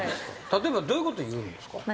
例えばどういうこと言うんですか？